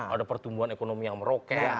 ada pertumbuhan ekonomi yang meroket